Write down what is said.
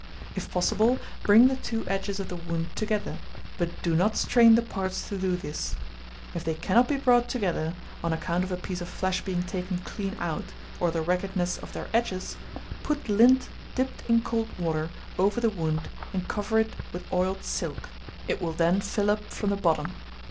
If possible, bring the two edges of the wound together, but do not strain the parts to do this. If they cannot be brought together, on account of a piece of flesh being taken clean out, or the raggedness of their edges, put lint dipped in cold water over the wound, and cover it with oiled silk. It will then fill up from the bottom.